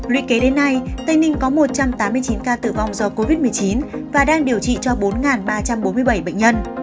luyện kế đến nay tây ninh có một trăm tám mươi chín ca tử vong do covid một mươi chín và đang điều trị cho bốn ba trăm bốn mươi bảy bệnh nhân